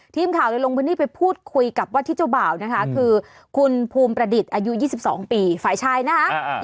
ทีมข่าวเลยลงพื้นที่ไปพูดคุยกับว่าที่เจ้าบ่าวนะคะคือคุณภูมิประดิษฐ์อายุ๒๒ปีฝ่ายชายนะคะ